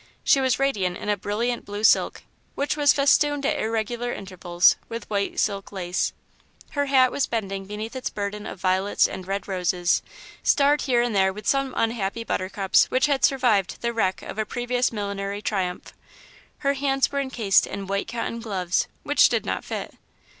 She was radiant in a brilliant blue silk, which was festooned at irregular intervals with white silk lace. Her hat was bending beneath its burden of violets and red roses, starred here and there with some unhappy buttercups which had survived the wreck of a previous millinery triumph. Her hands were encased in white cotton gloves, which did not fit.